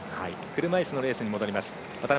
車いすのレースに戻ります。